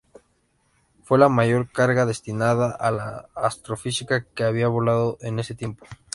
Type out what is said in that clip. Fue la mayor carga destinada a la astrofísica que había volado en ese tiempo.